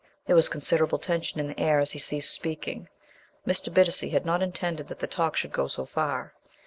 There was considerable tension in the air as he ceased speaking. Mr. Bittacy had not intended that the talk should go so far.